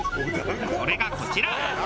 それがこちら。